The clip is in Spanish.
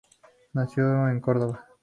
Nació en Córdoba.